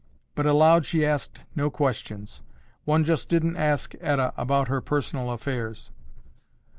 But aloud she asked no questions. One just didn't ask Etta about her personal affairs.